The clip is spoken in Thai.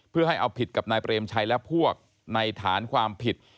เพื่อให้เอาผิดกับนายเปรมชัยและพวกในฐานความผิด